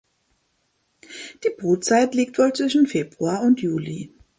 Die Brutzeit liegt wohl zwischen Februar und Juli.